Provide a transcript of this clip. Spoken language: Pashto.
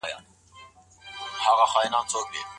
زړه،